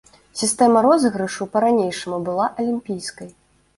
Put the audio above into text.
Сістэма розыгрышу па-ранейшаму была алімпійскай.